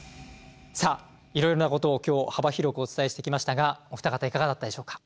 さあいろいろなことを今日幅広くお伝えしてきましたがお二方いかがだったでしょうか？